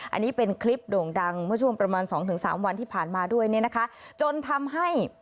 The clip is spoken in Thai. อันนี้เป็นคลิปโด่งดังเมื่อช่วงประมาณสองถึงสามวันที่ผ่านมาด้วยเนี่ยนะคะจนทำให้